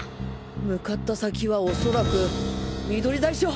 向かった先はおそらく緑台署！